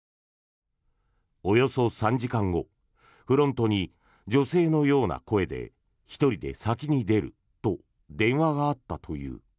およそ３時間後フロントに女性のような声で１人で先に出ると電話があったという。